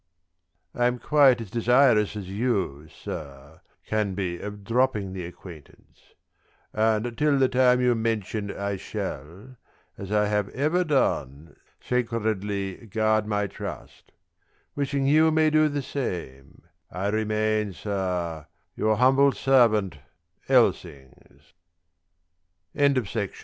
I am quite as desirous as you, Sir, can be of dropping the acquaintance; and till the time you mention I shall (as I have ever done) sacredly guard my trust wishing you may do the same, I remain, Sir, Your humble servant, ELSINGS Didst t